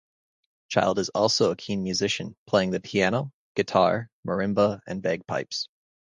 Child is also a keen musician, playing the piano, guitar, marimba, and bagpipes.